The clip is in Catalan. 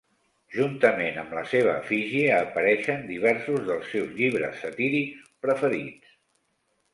Juntament amb la seva efígie, apareixen diversos dels seus llibres satírics preferits.